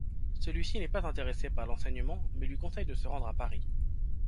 Celui-ci n'est pas intéressé par l'enseignement mais lui conseille de se rendre à Paris.